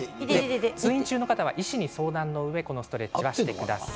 通院中の方は医師に相談のうえこのストレッチをしてください。